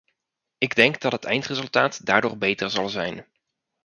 Ik denk dat het eindresultaat daardoor beter zal zijn.